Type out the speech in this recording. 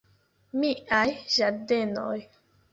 Miaj ĝardenoj!